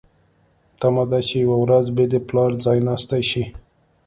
تمه ده چې یوه ورځ به د پلار ځایناستې شي.